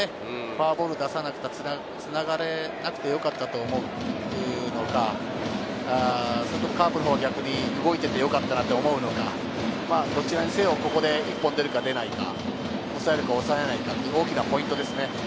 フォアボールを出さなかった、つながれなくてよかったと思うのか、カープのほうは逆に動いててよかったなと思うのか、どちらにせよ、ここで一本出るか出ないか、抑えるか抑えないかが大きなポイントですよね。